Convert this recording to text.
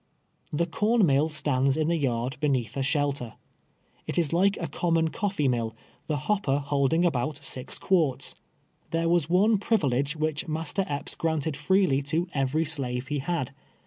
The corn mill stands in the yard beneath a shelter. It is like a common coflee mill, the hopper holding about six quarts. There was one privilege which Master Epps granted freely to every slave he had.